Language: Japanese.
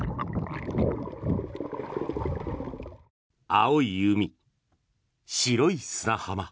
青い海、白い砂浜。